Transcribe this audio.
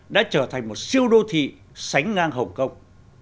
đã trở thành một siêu đô thị sánh ngang hồng kông